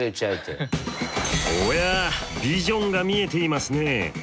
おやビジョンが見えていますね。